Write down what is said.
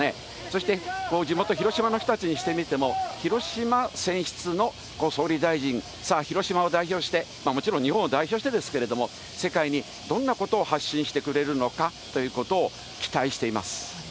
そして、ここ地元、広島の人たちにしてみても、広島選出の総理大臣、さあ広島を代表して、もちろん日本を代表してですけれども、世界にどんなことを発信してくれるのかということを期待しています。